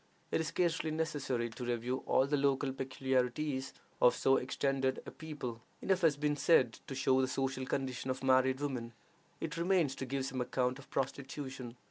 It is scarcely necessary to review all the local peculiarities of so extended a people: enough has been said to show the social condition of married women. It remains to give some account of prostitution.